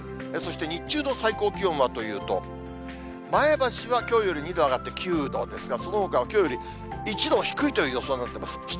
そして日中の最高気温はというと、前橋はきょうより２度上がって９度ですが、そのほかはきょうより１度低いという予想になってます。